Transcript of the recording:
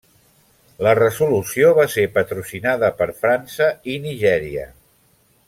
La resolució va ser patrocinada per França i Nigèria.